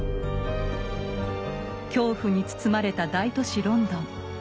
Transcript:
恐怖に包まれた大都市・ロンドン。